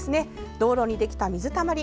道路にできた水たまり。